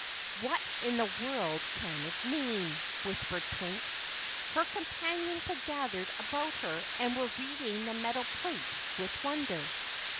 "What in the world can it mean?" whispered Twink. Her companions had gathered about her and were reading the metal plate with wonder.